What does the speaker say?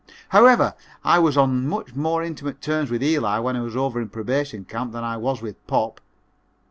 However, I was on much more intimate terms with Eli when I was over in Probation Camp than I was with "Pop."